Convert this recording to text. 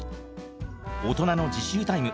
大人の自習タイム。